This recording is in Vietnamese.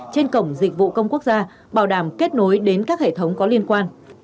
trên cổng dịch vụ công quốc gia bảo đảm kết nối đến các hệ thống có liên quan